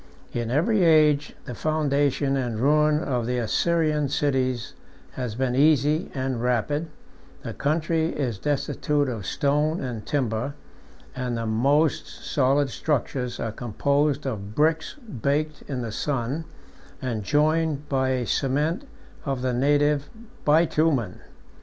In every age, the foundation and ruin of the Assyrian cities has been easy and rapid: the country is destitute of stone and timber; and the most solid structures 27 are composed of bricks baked in the sun, and joined by a cement of the native bitumen.